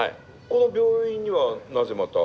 この病院にはなぜまた？